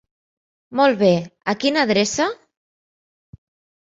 Molt bé, a quina adreça?